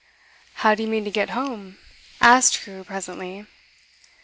'How do you mean to get home?' asked Crewe presently.